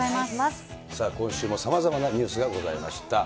さあ、今週もさまざまなニュースがございました。